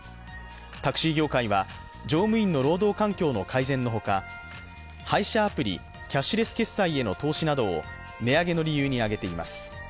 タクシー業界は乗務員の労働環境の改善のほか配車アプリ、キャッシュレス決済への投資などを値上げの理由に挙げています。